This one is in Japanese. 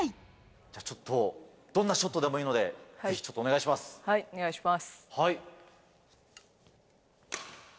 じゃあ、ちょっと、どんなショットでもいいので、ぜひちょっとお願いしまお願いします。